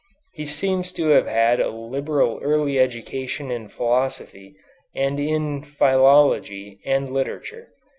He seems to have had a liberal early education in philosophy and in philology and literature.